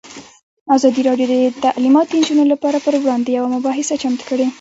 ازادي راډیو د تعلیمات د نجونو لپاره پر وړاندې یوه مباحثه چمتو کړې.